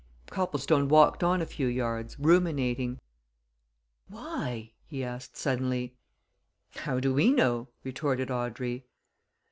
Copplestone walked on a few yards, ruminating. "Why!" he asked suddenly. "How do we know?" retorted Audrey.